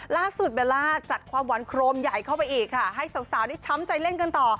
เบลล่าจัดความหวานโครมใหญ่เข้าไปอีกค่ะให้สาวได้ช้ำใจเล่นกันต่อ